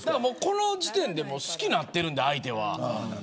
この時点で好きになってるんで、相手は。